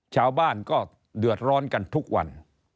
ชาวบ้านก็เดือดร้อนกันทุกวัน